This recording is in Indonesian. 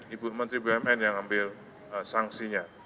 ibu menteri bumn yang ambil sanksinya